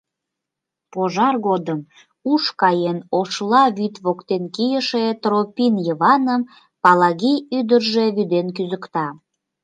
Пожар годым уш каен Ошла вӱд воктен кийыше Тропин Йываным Палагий ӱдыржӧ вӱден кӱзыкта.